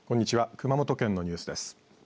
熊本県のニュースです。